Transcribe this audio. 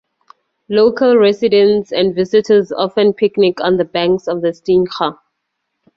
Local residents and visitors often picnic on the banks of the Stinchar.